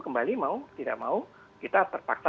kembali mau tidak mau kita terpaksa